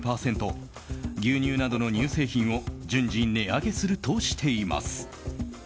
牛乳などの乳製品を順次、値上げするとしています。